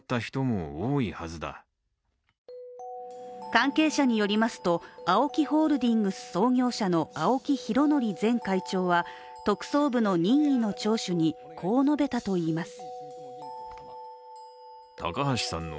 関係者によりますと、ＡＯＫＩホールディングス創業者の青木拡憲前会長は特捜部の任意の聴取にこう述べたといいます。